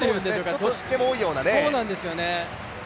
ちょっと湿気も多いような。